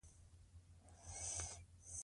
اختلافات باید د بحث له لارې حل شي.